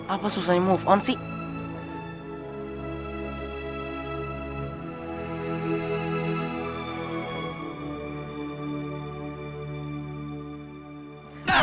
apa susahnya move on sih